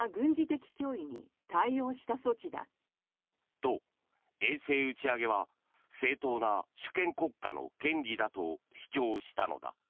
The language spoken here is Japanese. と、衛星打ち上げは正当な主権国家の権利だと主張したのだ。